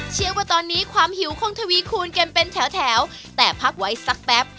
เชื่อว่าตอนนี้ความหิวคงทวีคูณกันเป็นแถวแต่พักไว้สักแป๊บ